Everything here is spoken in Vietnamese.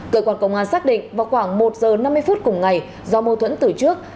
cơ quan công an xác định vào khoảng một giờ năm mươi phút cùng ngày do mâu thuẫn từ trước